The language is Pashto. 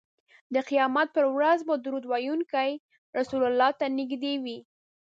د قیامت په ورځ به درود ویونکی رسول الله ته نږدې وي